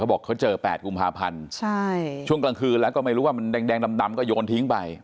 บอกเขาเจอ๘กุมภาพันธ์ช่วงกลางคืนแล้วก็ไม่รู้ว่ามันแดงดำก็โยนทิ้งไป